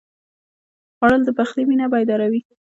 خوړل د پخلي مېنه بیداروي